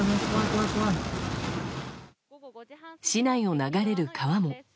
市内を流れる川も。